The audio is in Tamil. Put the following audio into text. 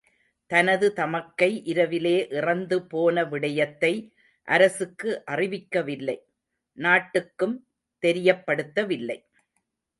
தனது தமக்கை இரவிலே இறந்து போன விடயத்தை அரசுக்கு அறிவிக்கவில்லை.நாட்டுக்கும் தெரியப்படுத்தவில்லை.